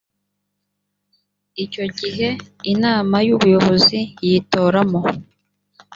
icyo gihe inama y ubuyobozi yitoramo